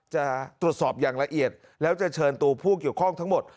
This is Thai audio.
จะตรวจสอบอย่างละเอียดแล้วจะเชิญตัวผู้เกี่ยวข้องทั้งหมด